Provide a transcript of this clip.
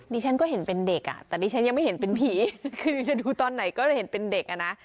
ฉันก็เห็นเป็นเด็กอ่ะแต่ดิฉันยังไม่เห็นเป็นผีคือดิฉันดูตอนไหนก็เห็นเป็นเด็กอ่ะนะ